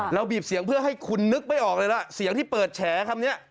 บีบเสียงเพื่อให้คุณนึกไม่ออกเลยล่ะเสียงที่เปิดแฉคำนี้